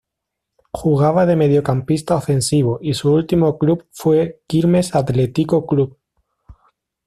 Jugaba de mediocampista ofensivo y su último club fue Quilmes Atletico Club.